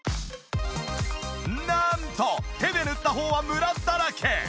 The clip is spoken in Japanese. なんと手で塗った方はムラだらけ！